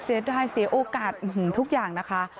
เสียดายเสียโอกาสทุกอย่างนะคะ